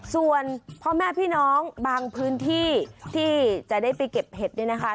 ส่วนพ่อแม่พี่น้องบางพื้นที่ที่จะได้ไปเก็บเห็ดเนี่ยนะคะ